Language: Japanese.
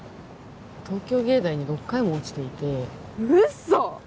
東京藝大に６回も落ちていてウッソ！